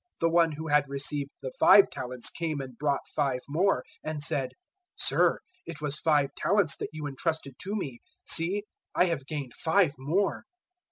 025:020 The one who had received the five talents came and brought five more, and said, "`Sir, it was five talents that you entrusted to me: see, I have gained five more.'